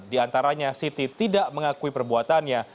di antaranya siti tidak mengakui perbuatannya